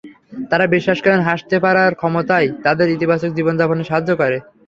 তাঁরা বিশ্বাস করেন, হাসতে পারার ক্ষমতাই তাঁদের ইতিবাচক জীবনযাপনে সাহায্য করে।